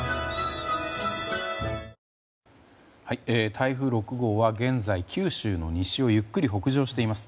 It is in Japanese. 台風６号は現在九州の西をゆっくり北上しています。